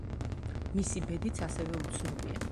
მისი ბედიც ასევე უცნობია.